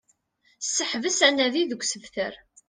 Seḥbes anadi deg usebter